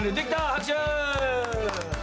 拍手！